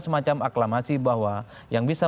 semacam aklamasi bahwa yang bisa